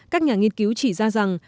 các nhà nghiên cứu chỉ ra rằng